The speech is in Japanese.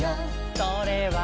「それはね